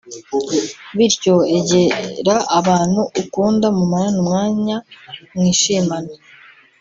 bityo egera abantu ukunda mumarane umwanya mwishimane